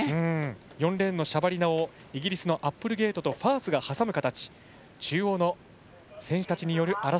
４レーンのシャバリナをイギリスのアップルゲイトとファースが挟む形。